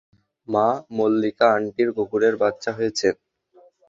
মা, মল্লিকা আন্টির কুকুরের বাচ্চা হয়েছে!